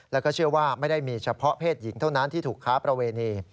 แล้วก็เชื่อว่าไม่ได้มีเฉพาะเพศหญิงเท่านั้นที่ถูกค้าประเวณี